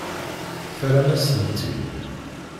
Terram-asen-tt-id.